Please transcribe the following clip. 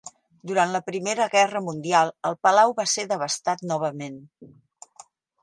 Durant la Primera Guerra Mundial el palau va ser devastat novament.